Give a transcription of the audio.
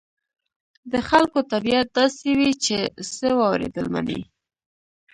د خلکو طبيعت داسې وي چې څه واورېدل مني.